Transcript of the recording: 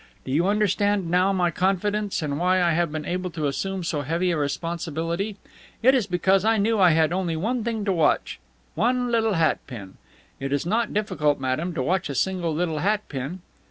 Do you understand now my confidence and why I have been able to assume so heavy a responsibility? It is because I knew I had only one thing to watch: one little hat pin. It is not difficult, madame, to watch a single little hat pin."